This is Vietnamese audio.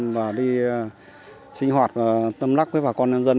và đi sinh hoạt và tâm lắc với bà con nhân dân